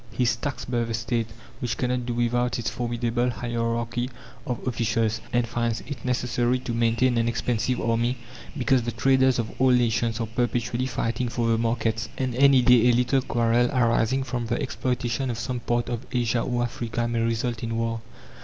He is taxed by the State, which cannot do without its formidable hierarchy of officials, and finds it necessary to maintain an expensive army, because the traders of all nations are perpetually fighting for the markets, and any day a little quarrel arising from the exploitation of some part of Asia or Africa may result in war.